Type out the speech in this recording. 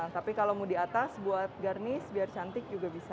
tapi kalau mau di atas buat garnish biar cantik juga bisa